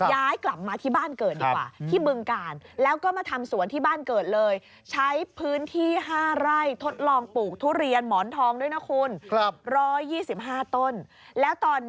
ย้ายกลับมาที่บ้านเกิดดีกว่าที่เบื้องกาล